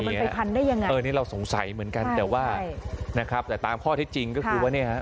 เออนี่เราสงสัยเหมือนกันแต่ว่าแต่ตามข้อที่จริงก็คือว่าเนี่ย